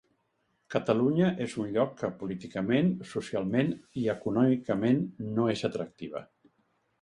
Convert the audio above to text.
Catalunya és un lloc que políticament, socialment i econòmicament no és atractiva.